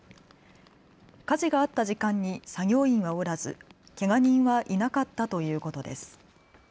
火事があった時間に作業員はおらずけが人はいなかったということです。